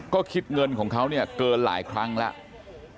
ก็คิดเงินของเขาเนี่ยเกินหลายครั้งแล้ว